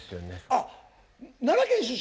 あ奈良県出身？